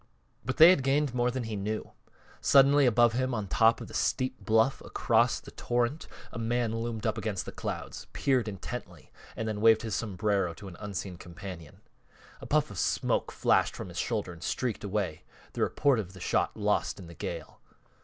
But they had gained more than he knew. Suddenly above him on the top of the steep bluff across the torrent a man loomed up against the clouds, peered intently and then waved his sombrero to an unseen companion. A puff of smoke flashed from his shoulder and streaked away, the report of the shot lost in the gale.